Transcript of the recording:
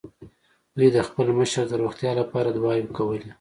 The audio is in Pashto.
دوی د خپل مشر د روغتيا له پاره دعاوې کولې.